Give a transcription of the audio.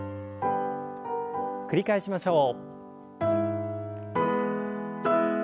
繰り返しましょう。